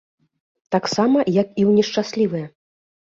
Таксама, як і ў нешчаслівыя.